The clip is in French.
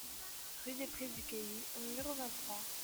Rue des Prés du Cailly au numéro vingt-trois